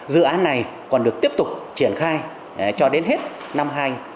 dự án này còn được tiếp tục triển khai cho đến hết năm hai nghìn hai mươi